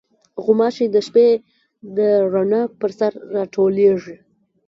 غوماشې د شپې د رڼا پر سر راټولېږي.